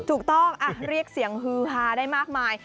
ถูกต้องเรียกเสียงฮือฮาได้มากมาย